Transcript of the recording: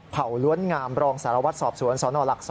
เผล้วนงามรองสารวัตรสอบสวนสนหลัก๒